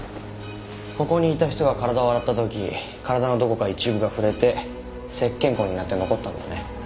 ここにいた人が体を洗った時体のどこか一部が触れて石鹸痕になって残ったんだね。